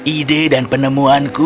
ide dan penemuanku